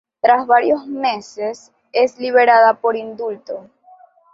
Tras varios meses es liberada por indulto.